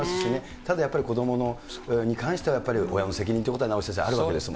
ただやっぱり子どもに関しては、親の責任ということは、名越先生、あるわけですよね。